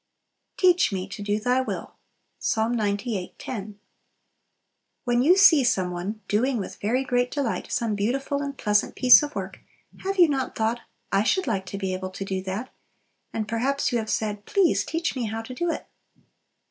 "Teach me to do Thy will." Ps. cxliii. 10. When you see some one doing with very great delight some beautiful and pleasant piece of work, have you not thought, "I should like to be able to do that!" and perhaps you have said, "Please, teach me how to do it."